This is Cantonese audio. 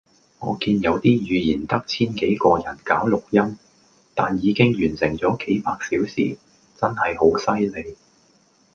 我見有啲語言得千幾個人搞錄音，但已經完成咗幾百小時，真係好犀利